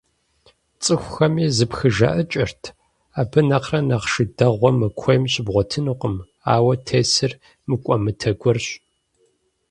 ЦӀыхухэми зэпхыжаӀыкӀырт: «Абы нэхърэ нэхъ шы дэгъуэ мы куейм щыбгъуэтынкъым, ауэ тесыр мыкӀуэмытэ гуэрщ».